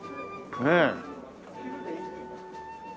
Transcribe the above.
ねえ。